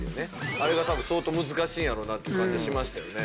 あれが多分相当難しいんやろうなっていう感じはしましたよね。